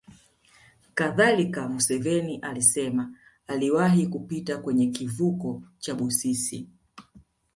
Kadhalika Museveni alisema aliwahi kupita kwenye kivuko cha Busisi